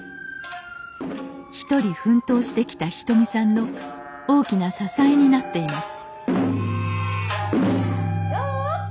一人奮闘してきたひとみさんの大きな支えになっています